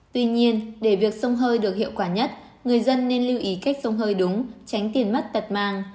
tuy nhiên để việc sông hơi được hiệu quả nhất người dân nên lưu ý cách sông hơi đúng tránh tiền mất tật mang